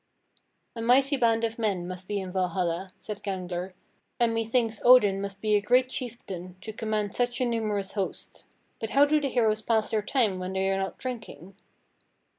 '" 42. "A mighty band of men must be in Valhalla," said Gangler, "and methinks Odin must be a great chieftain to command such a numerous host. But how do the heroes pass their time when they are not drinking?"